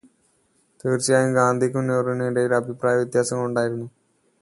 തീര്ച്ചയായും ഗാന്ധിക്കും നെഹ്രുവിനും ഇടയില് അഭിപ്രായവ്യത്യാസങ്ങളുണ്ടായിരുന്നു.